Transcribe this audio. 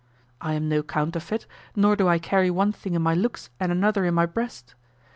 I am no counterfeit, nor do I carry one thing in my looks and another in my breast.